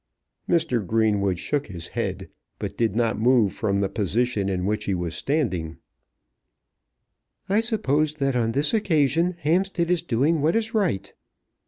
Mr. Greenwood shook his head, but did not move from the position in which he was standing. "I suppose that on this occasion Hampstead is doing what is right."